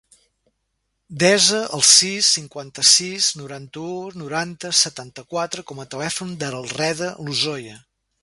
Desa el sis, cinquanta-sis, noranta-u, noranta, setanta-quatre com a telèfon del Reda Lozoya.